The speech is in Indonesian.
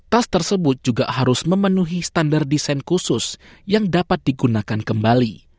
tas tersebut juga harus memenuhi standar desain khusus yang dapat digunakan kembali